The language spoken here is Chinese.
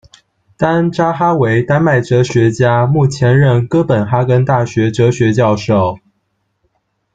丹·扎哈维，丹麦哲学家，目前任哥本哈根大学哲学教授。